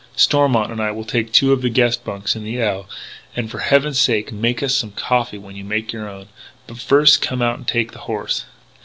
"Stormont and I will take two of the guest bunks in the L. And for heaven's sake make us some coffee when you make your own. But first come out and take the horse."